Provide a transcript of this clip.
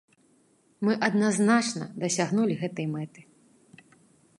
Мы адназначна дасягнулі гэтай мэты.